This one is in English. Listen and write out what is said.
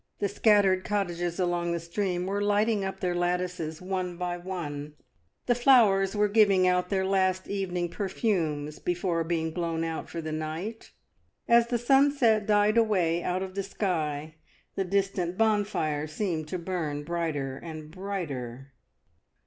The scattered cottages along the stream were lighting up their lattices one by one, the flowers were giving out their last evening perfumes before being blown out for the night. As the sunset died away out of the sky, the distant bonfire seemed to burn brighter and brighter.